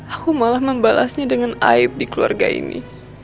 aku malah membalasnya dengan aib di keluarga ini